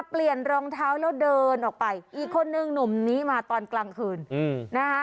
เปลี่ยนรองเท้าแล้วเดินออกไปอีกคนนึงหนุ่มนี้มาตอนกลางคืนนะคะ